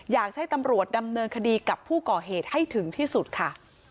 อยากให้ตำรวจดำเนินคดีกับผู้ก่อเหตุให้ถึงที่สุดค่ะ